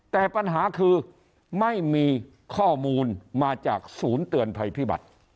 แต่ปัญหาคือไม่มีข้อมูลมาจากศูนย์เตือนภัยพิบัติ